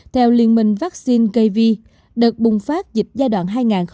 theo liên minh vaccine kv đợt bùng phát dịch giai đoạn